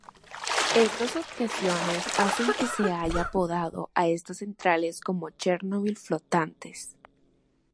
Estas objeciones hacen que se haya apodado a estas centrales como "Chernobyl flotantes".